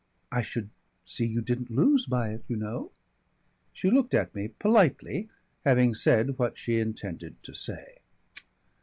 "I should see you didn't lose by it, you know." She looked at me politely, having said what she intended to say.